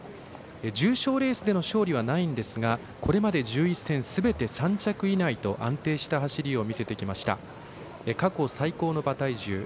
重賞レースでの勝利はないんですがすべて３着以内と安定したレースを見せてきました。